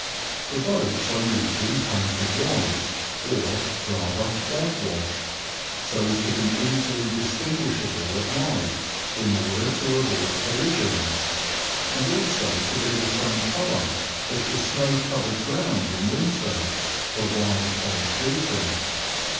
The boats are usually painted white (or, rather, whitewashed), UP THE ANT, TO BARTON AND STALHAM. 151 SO as to be easily distinguishable at night, in order to avoid collisions, and also to be the same colour as the snow covered ground in winter, for wildfowl shooting.